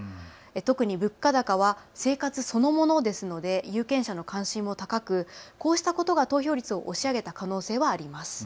特に物価高は生活そのものですので有権者の関心も高くこうしたことが投票率を押し上げた可能性はあります。